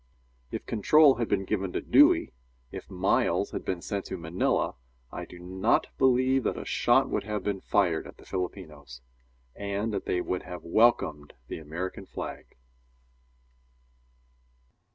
If control had been given to Dewey, if Miles had been sent to Manila, I do not believe that a shot would have been fired at the Filipinos, and that they would have welcomed the American flag.